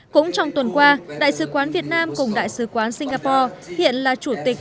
cũng trong tuần qua đại sứ quán việt nam cùng đại sứ quán singapore hiện là chủ đề của đại sứ quán việt nam